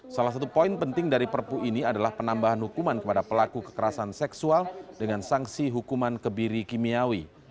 salah satu poin penting dari perpu ini adalah penambahan hukuman kepada pelaku kekerasan seksual dengan sanksi hukuman kebiri kimiawi